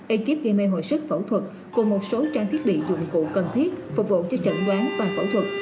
ekip gây mê hồi sức phẫu thuật cùng một số trang thiết bị dụng cụ cần thiết phục vụ cho chẩn đoán và phẫu thuật